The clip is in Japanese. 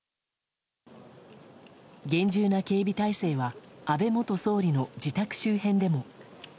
厳重な警備態勢は安倍元総理の自宅周辺でも。